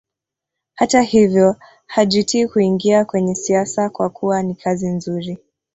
Hata hivyo hajutii kuingia kwenye siasa kwa kuwa ni kazi nzuri